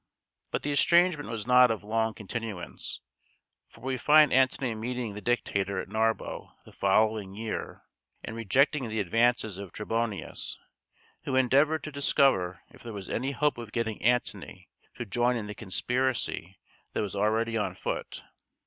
But the estrangement was not of long continuance, for we find Antony meeting the dictator at Narbo the following year, and rejecting the advances of Trebonius, who endeavored to discover if there was any hope of getting Antony to join in the conspiracy that was already on foot.